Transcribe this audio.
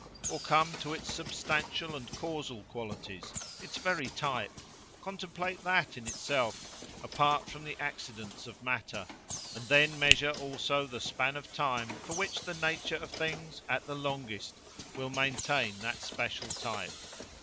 Or come to its substantial and causal qualities, its very type: contemplate that in itself, apart from the accidents of matter, and then measure also the span of time for which the nature of things, at the longest, will maintain that special type.